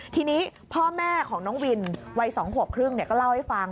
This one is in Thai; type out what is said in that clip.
ทีนี้พ่อแม่ของน้องวินวัย๒ขวบครึ่งก็เล่าให้ฟัง